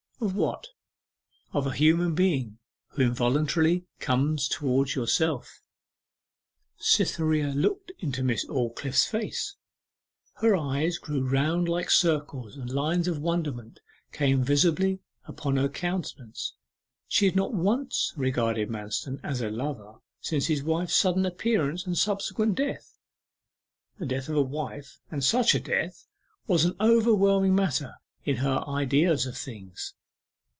'Of what?' 'Of a human being who involuntarily comes towards yourself.' Cytherea looked into Miss Aldclyffe's face; her eyes grew round as circles, and lines of wonderment came visibly upon her countenance. She had not once regarded Manston as a lover since his wife's sudden appearance and subsequent death. The death of a wife, and such a death, was an overwhelming matter in her ideas of things.